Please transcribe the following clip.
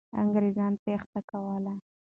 انګریزان تېښته کوله.